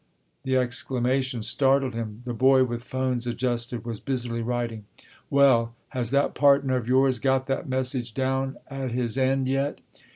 The exclamation startled him. The boy with phones adjusted was busily writing. "Well, has that partner of yours got that message down at his end yet?"